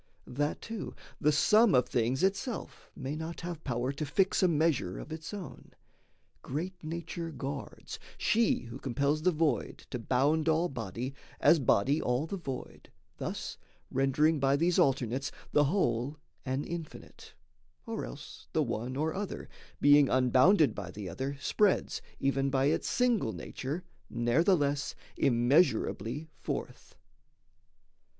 That, too, the sum of things itself may not Have power to fix a measure of its own, Great nature guards, she who compels the void To bound all body, as body all the void, Thus rendering by these alternates the whole An infinite; or else the one or other, Being unbounded by the other, spreads, Even by its single nature, ne'ertheless Immeasurably forth....